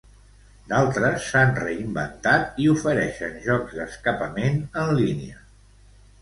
D'altres s'han reinventat i ofereixen jocs d'escapament en línia.